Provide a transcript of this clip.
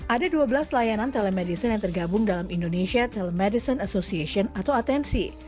ada dua belas layanan telemedicine yang tergabung dalam indonesia telemedicine association atau atensi